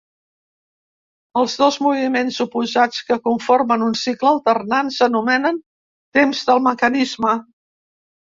Els dos moviments oposats que conformen un cicle alternant s'anomenen temps del mecanisme.